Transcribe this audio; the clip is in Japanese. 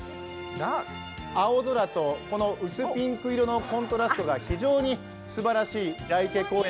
青空と、この薄ピンク色のコントラストが非常にすばらしい蛇池公園